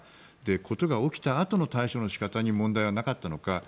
事が起きたあとの対処の仕方に問題はなかったのか。